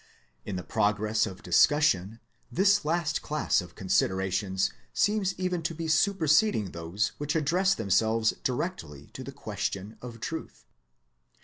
In the progress of discussion tbis last class of considerations seems even to be superseding tbose wbich address themselves directly to the question of truth.